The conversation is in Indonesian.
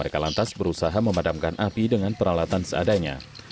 katanya latupan anak anak main latupan katanya